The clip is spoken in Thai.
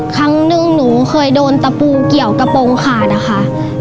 ครั้งหนึ่งหนูเคยโดนตะปูเกี่ยวกระโปรงขาดนะคะ